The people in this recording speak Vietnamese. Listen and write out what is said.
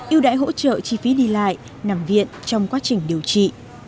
ưu đãi hỗ trợ chi phí đi lại nằm viện trong quá trình điều trị